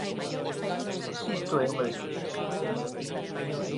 Isto é unha desfeita.